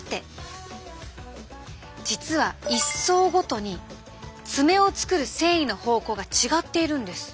実は一層ごとに爪を作る繊維の方向が違っているんです。